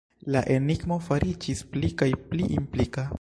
La enigmo fariĝis pli kaj pli implika.